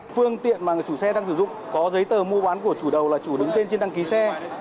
phương tiện mà chủ xe đang sử dụng có giấy tờ mua bán của chủ đầu là chủ đứng tên trên đăng ký xe